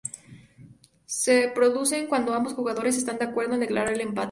Se producen cuando ambos jugadores están de acuerdo en declarar el empate.